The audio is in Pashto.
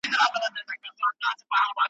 او څو نسلونو د ګډو هڅو نتیجه ښکاري